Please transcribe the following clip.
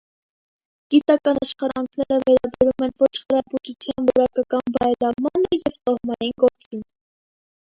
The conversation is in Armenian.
Գիտական աշխատանքները վերաբերում են ոչխարաբուծության որակական բարելավմանը և տոհմային գործին։